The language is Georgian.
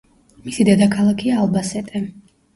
მისი დედაქალაქია ალბასეტე.